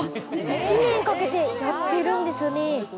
１年かけてやってるんですね。